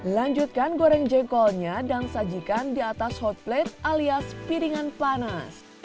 lanjutkan goreng jengkolnya dan sajikan di atas hot plate alias piringan panas